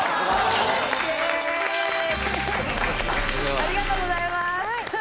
ありがとうございます。